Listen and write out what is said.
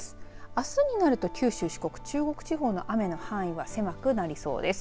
あすになると九州、四国、中国地方の雨の範囲は狭くなりそうです。